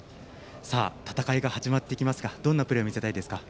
戦いが始まってきますがどんなプレーを見せたいですか。